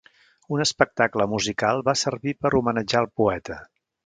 Un espectacle musical va servir per homenatjar el poeta.